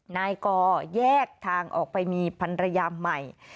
นายกอแยกทางออกไปมีพันรยาใหม่